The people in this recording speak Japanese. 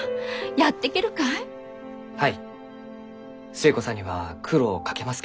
寿恵子さんには苦労をかけます